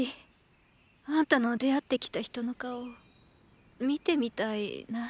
あんたの出会ってきた人の顔見てみたいなァ。